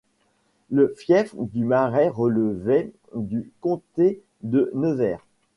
Le fief du Marais relevait du comté de Nevers.